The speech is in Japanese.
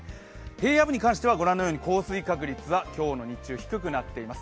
平野部に関しては降水確率は今日の日中、低くなっています。